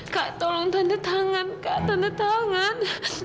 kak tolong tanda tangan kak tanda tangan